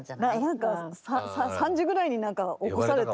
３時ぐらいに何か起こされて。